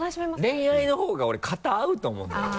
恋愛の方が俺型合うと思うんだよね。